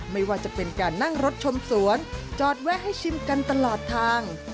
ไม่ว่าจะเป็นการนั่งรถชมสวนจอดแวะให้ชิมกันตลอดทาง